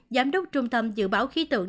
giám đốc trung tâm dự báo khí tượng